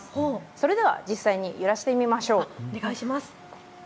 それでは実際に揺らしてみましょう。